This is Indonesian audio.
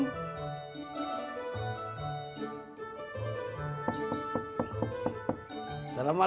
te technical yang kasih